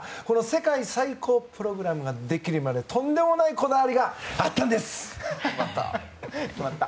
世界最高プログラムができるまでとんでもないこだわりがあったんです！